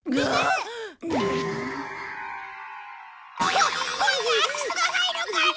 こ今夜空き巣が入るから！